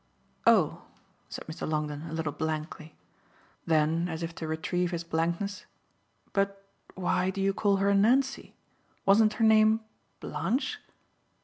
"Oh!" said Mr. Longdon a little blankly. Then as if to retrieve his blankness: "But why do you call her Nancy? Wasn't her name Blanche?"